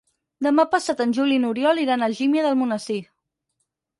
Demà passat en Juli i n'Oriol iran a Algímia d'Almonesir.